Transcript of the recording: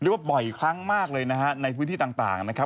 ว่าบ่อยครั้งมากเลยนะฮะในพื้นที่ต่างนะครับ